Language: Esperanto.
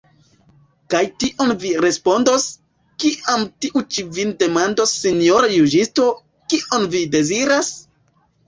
Kaj kion vi respondos, kiam tiu ĉi vin demandos sinjoro juĝisto, kion vi deziras?